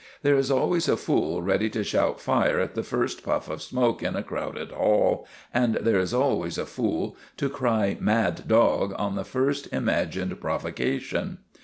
There is always a fool ready to shout fire at the first puff of smoke in a crowded hall, and there is always a fool to cry mad dog on the first imagined provoca tion.